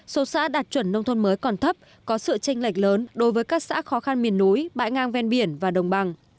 số xã đạt chuẩn nông thôn mới còn thấp có sự tranh lệch lớn đối với các xã khó khăn miền núi bãi ngang ven biển và đồng bằng